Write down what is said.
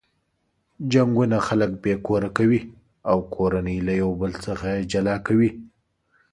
جنګونه خلک بې کوره کوي او کورنۍ له یو بل څخه جلا کوي.